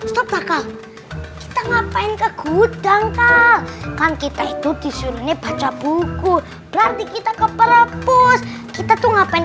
itu tak kekudangkan kita itu disuruhnya baca buku berarti kita ke perempuan kita tuh ngapain